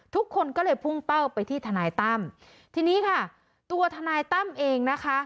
ทุกคนก็เลยพุ่งเป้าไปที่ทนายตั้มทีนี้ค่ะตัวทนายตั้มเองนะคะ